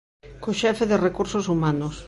Co xefe de Recursos Humanos.